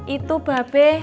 itu bapak be